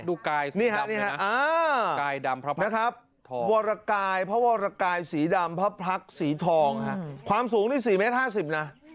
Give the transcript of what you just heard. ดูกายสีดำนะครับวรกายพระวรกายสีดำพระพรรคสีทองค่ะความสูงนี่๔เมตร๕๐นะ